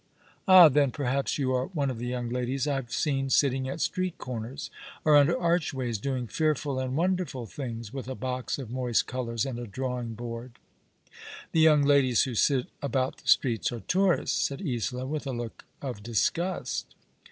*' Ah, then, perhaps you are one of the young ladies I have seen sitting at street corners, or under archways, doing fearful and "wonderful things with a box of moist colours and a drawing board." " The young ladies who sit about the streets are tourists," said Isola, with a look of disgust.